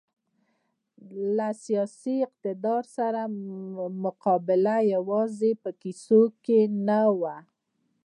له سیاسي اقتدار سره مقابله یوازې په کیسو کې نه وه.